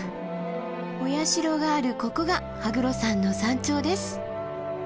お社があるここが羽黒山の山頂です。